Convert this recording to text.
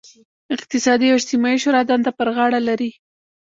اقتصادي او اجتماعي شورا دنده پر غاړه لري.